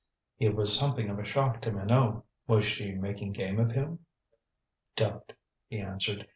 It was something of a shock to Minot. Was she making game of him? "Don't," he answered.